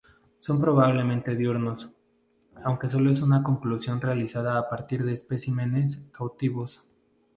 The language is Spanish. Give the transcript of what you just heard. Son probablemente diurnos, aunque solo es una conclusión realizada a partir de especímenes cautivos.